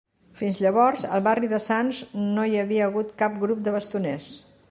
Fins llavors, al barri de Sants no hi havia hagut cap grup de bastoners.